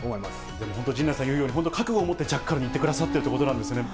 でも本当に陣内さん言うように、本当覚悟を持って、ジャッカルにいってくださってるということなんですね。